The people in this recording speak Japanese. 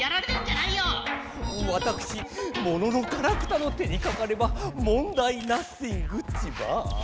わたくしモノノガラクタの手にかかればもんだいナッスィングッチバー。